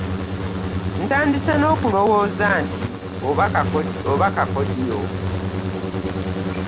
Ntandise n'okulowooza nti oba kakodyo.